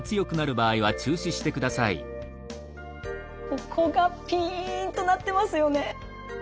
ここがピンとなってますよね。